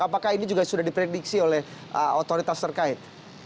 apakah ini juga sudah diprediksi oleh otoritas terkait